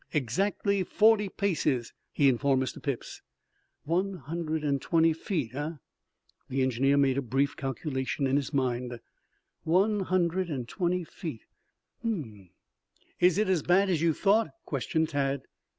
"Exactly forty paces," he informed Mr. Phipps. "One hundred and twenty feet, eh?" The engineer made a brief calculation in his mind. "One hundred and twenty feet. H m m m." "Is it as bad as you thought?" questioned Tad.